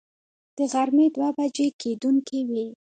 د غرمې دوه بجې کېدونکې وې.